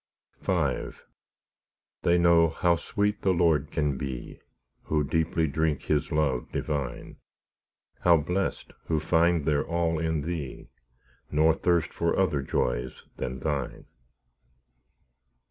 V They know how sweet the Lord can be, Who deeply drink His love divine; How blest, who find their all in Thee, Nor thirst for other joys than Thine.